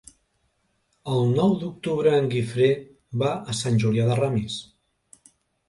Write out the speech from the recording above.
El nou d'octubre en Guifré va a Sant Julià de Ramis.